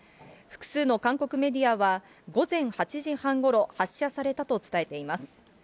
複数の韓国メディアは、午前８時半ごろ発射されたと伝えています。